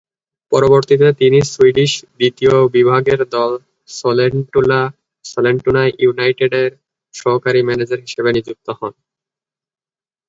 পরবর্তীতে তিনি সুইডিশ দ্বিতীয় বিভাগের দল সোলেন্টুনা ইউনাইটেডের সহকারী ম্যানেজার হিসেবে নিযুক্ত হন।